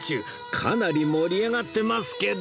かなり盛り上がってますけど